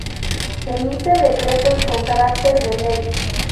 Emite decretos con carácter de ley.